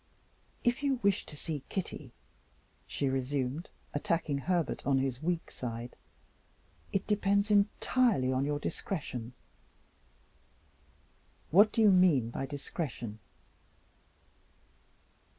"If you wish to see Kitty," she resumed, attacking Herbert on his weak side, "it depends entirely on your discretion." "What do you mean by discretion?"